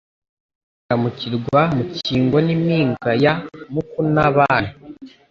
Iraramukirwa Mukingo N’impinga ya Mukuna-bana,